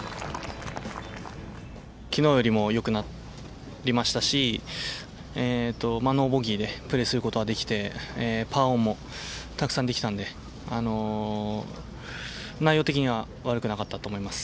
昨日よりもよくなりましたし、ノーボギーでプレーすることができてパーオンもたくさんできたので内容的には悪くなかったと思います。